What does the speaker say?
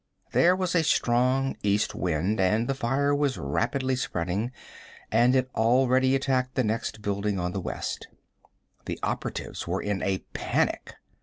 There was a strong east wind, and the fire was rapidly spreading, and had already attacked the next building on the west. The operatives were in a panic.